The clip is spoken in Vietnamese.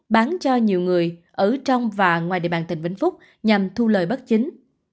bán cho nhiều người ở trong và ngoài địa bàn tỉnh vĩnh phúc nhằm thu lời bất chính